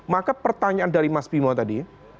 maka pertanyaan dari mas bimo tadi